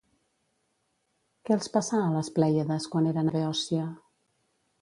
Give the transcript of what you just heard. Què els passà a les Plèiades quan eren a Beòcia?